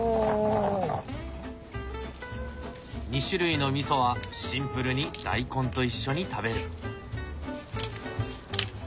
２種類の味噌はシンプルに大根と一緒に食べる。